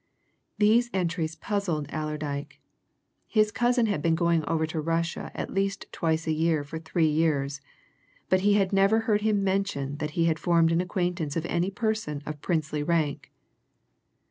These entries puzzled Allerdyke. His cousin had been going over to Russia at least twice a year for three years, but he had never heard him mention that he had formed the acquaintance of any person of princely rank.